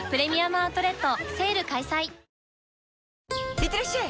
いってらっしゃい！